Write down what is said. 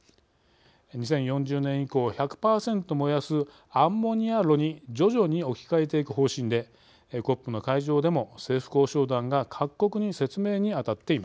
２０４０年以降１００％燃やすアンモニア炉に徐々に置き換えていく方針でＣＯＰの会場でも政府交渉団が各国に説明にあたっています。